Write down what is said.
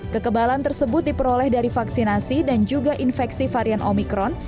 kekebalan tersebut diperoleh dari vaksinasi dan juga infeksi varian omikron